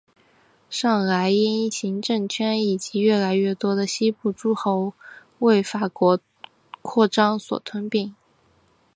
上莱茵行政圈以及越来越多的西部诸侯为法国扩张所吞并。